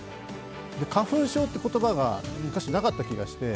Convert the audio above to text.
花粉症って言葉が昔なかった気がして。